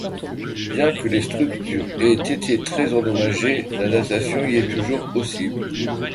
Bien que les structures aient été très endommagées, la natation y est toujours possible.